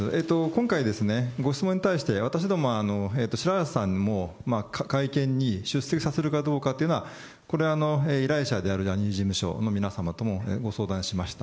今回、ご質問に対して、私ども白波瀬さんにも会見に出席させるかどうかというのは、これは依頼者であるジャニーズ事務所の皆様ともご相談しました。